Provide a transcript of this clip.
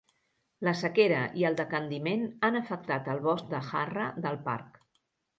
La sequera i el decandiment han afectat el bosc de jarrah del parc.